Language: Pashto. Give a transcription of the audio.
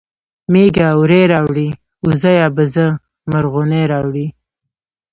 مېږه وری راوړي اوزه یا بزه مرغونی راوړي